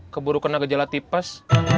keburu kena gejala tipes